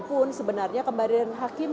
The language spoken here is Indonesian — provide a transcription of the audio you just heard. pun sebenarnya kemandirian hakim